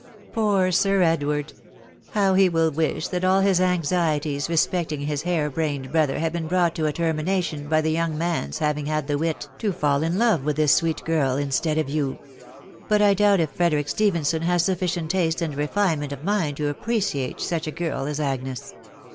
... Poor Sir Edward. ... How he will wish that all his anxieties respecting his hare brained brother had been brought to a termination by the young man's having had the wit to fall in love with this sweet girl instead of yon; ...• but I doubt if Frederic Stephenson has sufficient taste and refinement of mind to appreciate such a girl as Agnes.